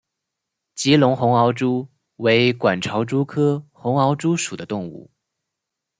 吉隆红螯蛛为管巢蛛科红螯蛛属的动物。